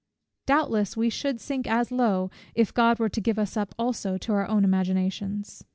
Doubtless we should sink as low, if God were to give us up also to our own imaginations.